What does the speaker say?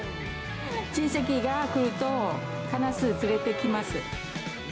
親戚が来ると、必ず連れてきます。